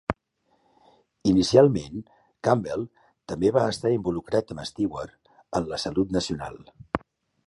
Inicialment, Campbell també va estar involucrat amb Stewart en la Salut Nacional.